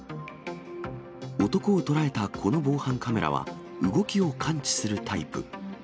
男を捉えたこの防犯カメラは、動きを感知するタイプ。